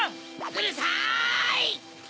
うるさい！